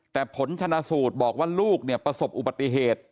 แต่ผลชนะสูตรบอกว่าลูกเนี่ยประสบอุบัติเหตุ